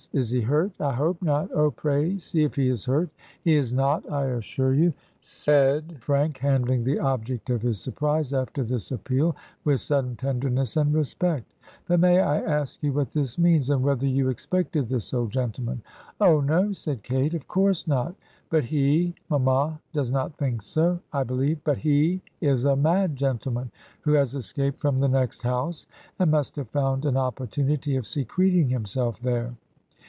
... Is he hurt? I hope not — oh, pray, see if he is hurt.' 'He is not, I assure you,' ^T« 129 Digitized by VjOOQIC HEROINES OF FICTION said Franks handling the object 6f his surprise, after this appeal, with sudden tenderness and respect. ...* But may I ask you what this means, and whether you expected this old gentleman?' 'Oh, no,' said Kate; 'of course not; but he — ^mamma does not think so, 1 believe — but he is a mad gentleman who has escaped from the next house, and must have fotmd an oppor tunity of secreting himself there.'